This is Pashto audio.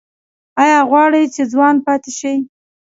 ایا غواړئ چې ځوان پاتې شئ؟